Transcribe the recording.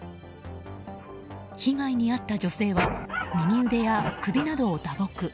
被害に遭った女性は右腕や首などを打撲。